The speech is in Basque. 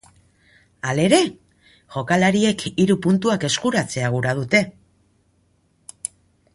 Hala ere, jokalariek hiru puntuak eskuratzea gura dute.